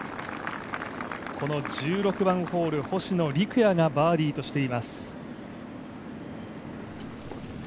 この１６番ホール、星野陸也がバーディーとしています。